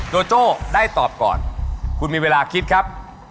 โจโจ้ได้ตอบก่อนคุณมีเวลาคิดครับ